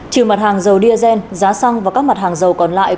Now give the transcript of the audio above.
trừ mặt hàng dầu diesel giá xăng và các mặt hàng dầu còn lại